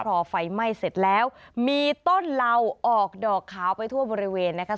พอไฟไหม้เสร็จแล้วมีต้นเหล่าออกดอกขาวไปทั่วบริเวณนะคะ